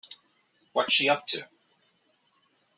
What's she up to?